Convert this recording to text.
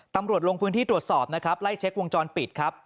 ตำรวจลงพื้นที่ตรวจสอบนะครับไล่เช็ควงจรปิดครับ